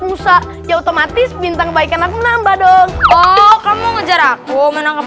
rusak ya otomatis bintang kebaikan aku nambah dong oh kamu ngejar aku menangkap